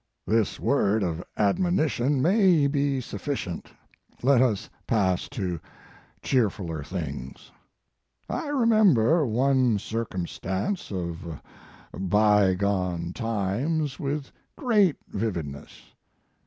This word of admonition may be sufficient; let us pass to cheerfuller things. I remem ber one circumstance of by gone times no Mark Twain with great vividness.